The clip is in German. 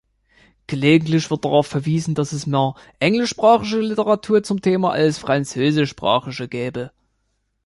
Gelegentlich wird darauf verwiesen, dass es mehr englischsprachige Literatur zum Thema als französischsprachige gebe.